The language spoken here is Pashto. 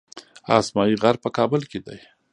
اسمايي غر په کابل کې دی